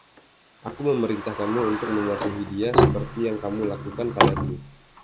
Aku memerintahkanmu untuk mematuhi dia seperti yang kamu lakukan padaku.